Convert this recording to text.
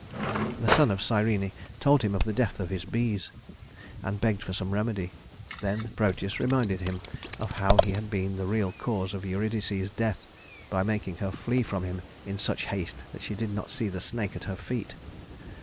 The son of Cyrene told him of the death of his bees, and begged for some remedy. Then Proteus reminded him of how he had been the real cause of Eurydice's death, by making her flee from him in such haste that she did not see the snake at her feet.